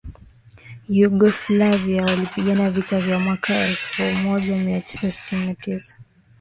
yugoslavia walipigana vita vya mwaka elfu moja mia tisa tisini na tisa